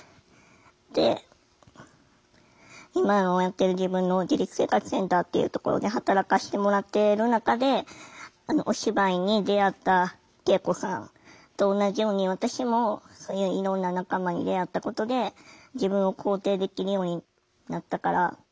で今のやってる自分の自立生活センターっていうところで働かしてもらってる中でお芝居に出会った圭永子さんと同じように私もそういういろんな仲間に出会ったことで自分を肯定できるようになったから。